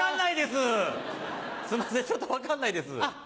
すいませんちょっと分かんないです。